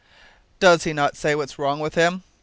"Does he not say what's wrong with him?"